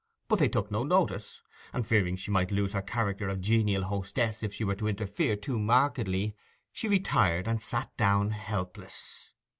But they took no notice, and fearing she might lose her character of genial hostess if she were to interfere too markedly, she retired and sat down helpless.